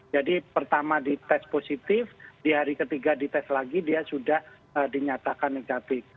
jadi pertama dites positif di hari ketiga dites lagi dia sudah dinyatakan negatif